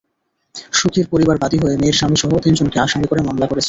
সুখীর পরিবার বাদী হয়ে মেয়ের স্বামীসহ তিনজনকে আসামি করে মামলা করেছে।